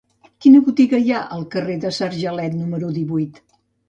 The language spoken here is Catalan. Quina botiga hi ha al carrer de Sargelet número divuit?